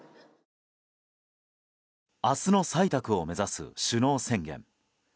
明日の採択を目指す首脳宣言。